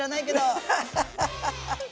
ハハハハハ。